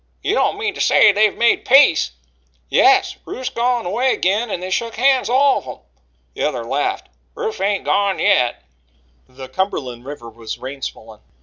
"You don't mean to say they've made peace?" "Yes, Rufe's going away agin and they shuk hands all of 'em." The other laughed. "Rufe ain't gone yit!" The Cumberland River was rain swollen.